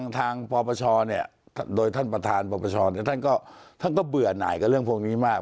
ทางปประชาเนี่ยโดยท่านประธานปประชาเนี่ยท่านก็เบื่อหน่ายกับเรื่องพวกนี้มาก